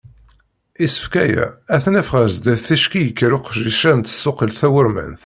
Isefka-a, ad ten-naf ɣer sdat ticki yekker uqeddic-a n tsuqilt tawurmant.